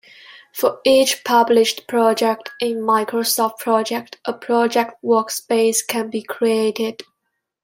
For each published project in Microsoft Project a Project Workspace can be created.